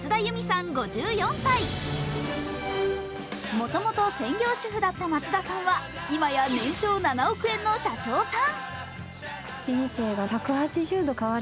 もともと専業主婦だった松田さんはいまや年商７億円の社長さん。